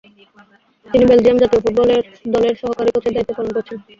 তিনি বেলজিয়াম জাতীয় ফুটবল দলের সহকারী কোচের দায়িত্ব পালন করছেন।